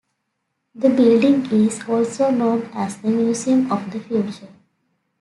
The building is also known as the "Museum of the Future".